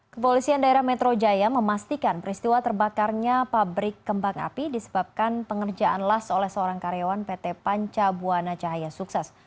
kepolisian daerah metro jaya memastikan peristiwa terbakarnya pabrik kembang api disebabkan pengerjaan las oleh seorang karyawan pt panca buana cahaya sukses